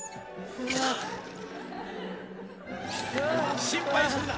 うわああ心配するな！